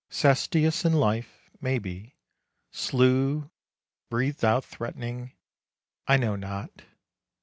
Cestius in life, maybe, Slew, breathed out threatening; I know not.